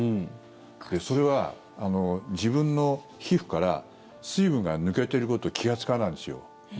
それは、自分の皮膚から水分が抜けてること気がつかないんですよ。